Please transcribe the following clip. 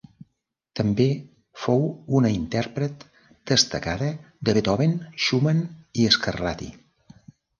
També fou una intèrpret destacada de Beethoven, Schumann i Scarlatti.